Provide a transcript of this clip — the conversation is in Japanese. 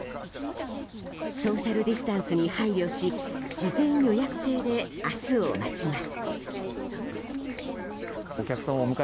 ソーシャルディスタンスに配慮し事前予約制で明日を待ちます。